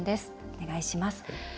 お願いします。